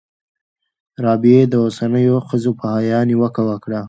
رابعې د اوسنیو ښځو په حیا نیوکه وکړه.